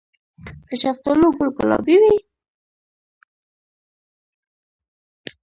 د شفتالو ګل ګلابي وي؟